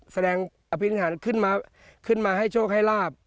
แสดงอภิกษาธรรมขึ้นมาให้โชคให้ลาบ